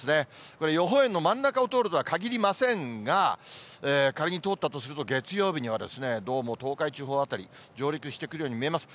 これ、予報円の真ん中を通るとはかぎりませんが、仮に通ったとすると、月曜日にはどうも東海地方辺り、上陸してくるように見えます。